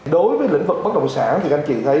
đối với lĩnh vực bất động sản thì anh chị thấy